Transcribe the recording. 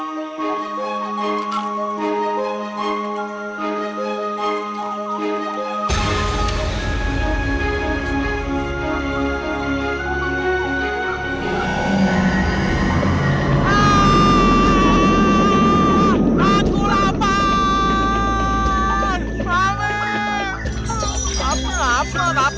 mama aku belum makan